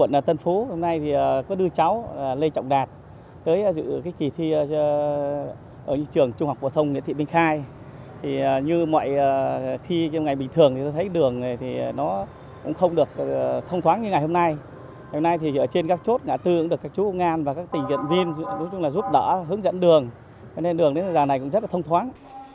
nên đường đến thời gian này cũng rất thông thoáng